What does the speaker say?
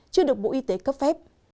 chưa được bộ y tế cấp phép